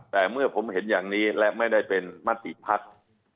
แต่เมื่อผมเห็นอย่างนี้และไม่ได้เป็นมติภักดิ์